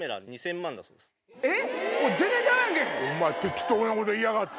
えっ⁉